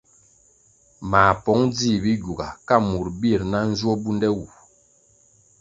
Mā pong djih Bigyuga ka murʼ birʼ na njwo bunde wu.